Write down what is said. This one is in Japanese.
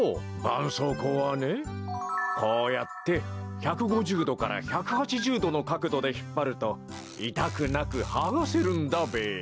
ばんそうこうはねこうやって１５０どから１８０どのかくどでひっぱるといたくなくはがせるんだべや。